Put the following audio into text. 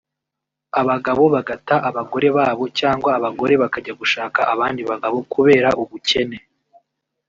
abagabo bagata abagore babo cyangwa abagore bakajya gushaka abandi bagabo kubera ubukene